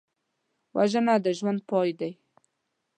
وژنه د ژوند پای دی